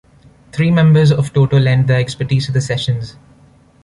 Three members of Toto lent their expertise to the sessions.